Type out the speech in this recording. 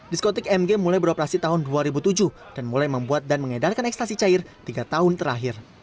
diskotik mg mulai beroperasi tahun dua ribu tujuh dan mulai membuat dan mengedarkan ekstasi cair tiga tahun terakhir